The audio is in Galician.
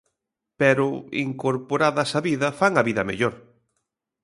Pero, incorporadas á vida, fan a vida mellor.